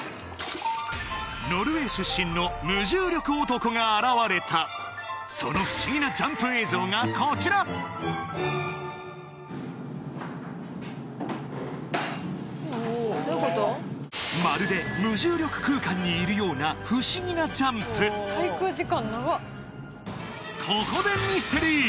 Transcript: ノルウェー出身の無重力男が現れたその不思議なジャンプ映像がこちらまるで無重力空間にいるような不思議なジャンプここでミステリー